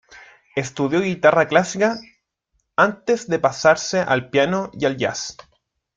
Estudió guitarra clásica antes de pasarse al piano y al "jazz".